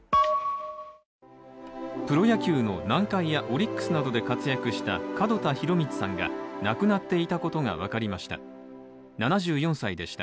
プロ野球の南海や、オリックスなどで活躍した門田博光さんが亡くなっていたことが分かりました。